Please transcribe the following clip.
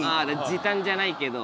時短じゃないけど。